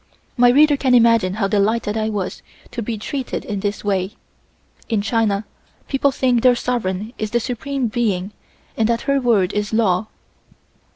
My reader can imagine how delighted I was to be treated in this way. In China the people think their sovereign is the supreme being and that her word is law.